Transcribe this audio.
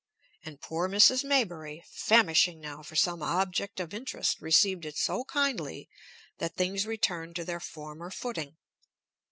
And poor Mrs. Maybury, famishing now for some object of interest, received it so kindly that things returned to their former footing.